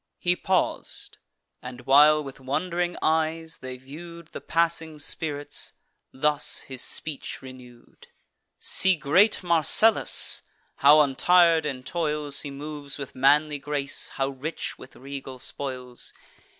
He paus'd; and, while with wond'ring eyes they view'd The passing spirits, thus his speech renew'd: "See great Marcellus! how, untir'd in toils, He moves with manly grace, how rich with regal spoils!